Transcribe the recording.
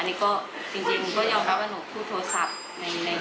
อันนี้ก็จริงยอมรับว่าหนูพูดโทรศัพท์ในตอนขึ้นรถ